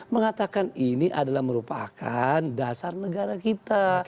mengatakan ini adalah merupakan dasar negara kita